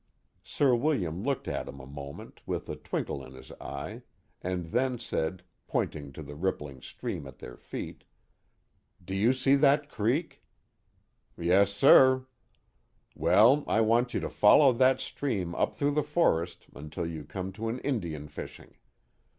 Sir William looked at him a moment with a twinkle in his eye, and then said, pointing to the rippling stream at their feet, Do you see that creek ?"*' Yes, sur." Well, I want you to follow that stream up through the forest until you come to an Indian fishing.